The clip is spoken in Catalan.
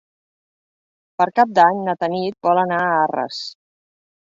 Per Cap d'Any na Tanit vol anar a Arres.